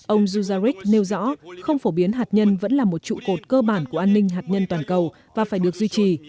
ông zuzarek nêu rõ không phổ biến hạt nhân vẫn là một trụ cột cơ bản của an ninh hạt nhân toàn cầu và phải được duy trì